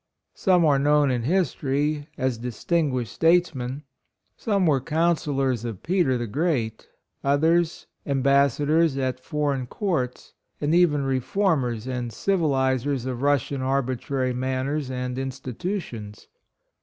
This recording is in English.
Some are known in history, as dis tinguished statesmen ; some were Councillors of Peter, the Great; 2* 14 HIS LIFE, HIS ANCESTORS, others, Ambassadors at foreign courts, and even reformers and civ ilizers of Russian arbitrary manners and institutions.